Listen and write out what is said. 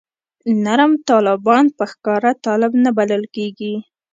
نرم طالبان په ښکاره طالب نه بلل کېږي.